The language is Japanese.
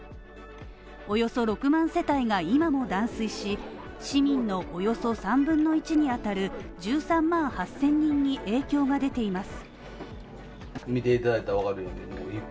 およそ６万世帯が今も断水し、市民のおよそ３分の１にあたる１３万８０００人に影響が出ています。